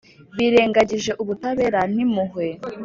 birengagije ubutabera n’impuhwe